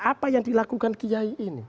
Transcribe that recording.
apa yang dilakukan kiai ini